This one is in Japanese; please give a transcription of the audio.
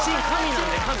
なんで「神」。